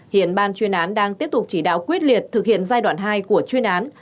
hiện ban chuyên án đang tiếp tục chỉ đạo quyết liệt thực hiện giai đoạn hai của chuyên án